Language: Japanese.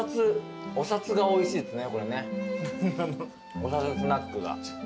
おさつスナックが。